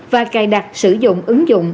và cài đặt sử dụng ứng dụng